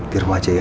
di rumah aja ya